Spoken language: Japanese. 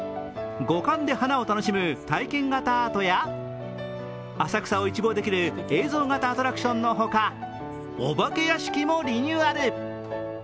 五感で花を楽しむ体験型アートや浅草を一望できる映像型アトラクションのほか、お化け屋敷もリニューアル。